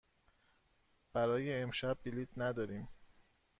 برای امشب بلیط نداریم.